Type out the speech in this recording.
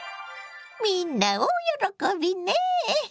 みんな大喜びね。